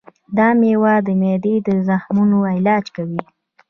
دا مېوه د معدې د زخمونو علاج کوي.